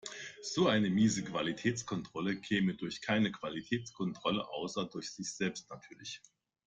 So eine miese Qualitätskontrolle käme durch keine Qualitätskontrolle, außer durch sich selbst natürlich.